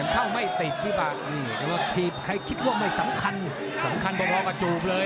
เข้าไม่ติดพี่ปากนี่แต่ว่าทีบใครคิดว่าไม่สำคัญสำคัญพอกระจูบเลย